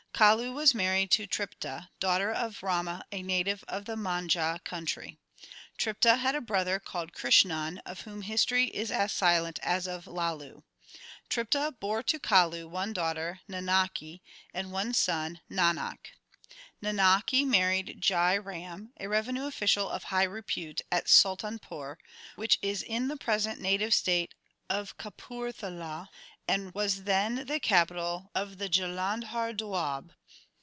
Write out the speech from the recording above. Kalu was married to Tripta, daughter of Rama, a native of the Manjha 2 country. Tripta had a brother called Krishan, of whom history is as silent as of Lalu. Tripta bore to Kalu one daughter, Nanaki, and one son, Nanak. Nanaki married Jai Ram, a revenue official of high repute at Sultanpur, which is in the present native state of Kapurthala, and was then the capital of the Jalandhar Doab.